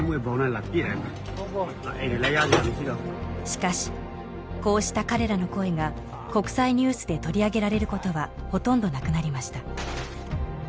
しかしこうした彼らの声が国際ニュースで取り上げられることはほとんどなくなりました